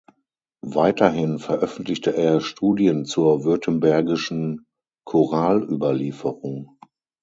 Weiterhin veröffentlichte er "Studien zur württembergischen Choralüberlieferung"